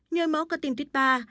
nhồi máu cơ tim tuyết ba